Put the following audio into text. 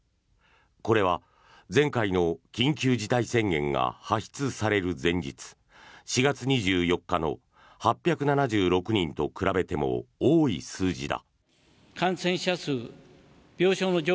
これは前回の緊急事態宣言が発出される前日４月２４日の８７６人と比べても多い数字だ。